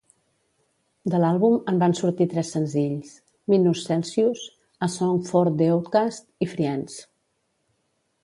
De l'àlbum en van sortir tres senzills, "Minus Celsius", "A Song For The Outcast" i "Friends.